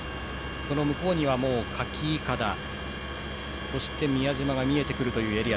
その向こうには、カキいかだそして、宮島が見えてくるエリア。